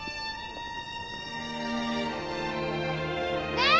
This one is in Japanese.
ねえ！